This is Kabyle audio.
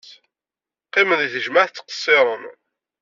Qqimen deg tejmaɛt ttqeṣṣiren.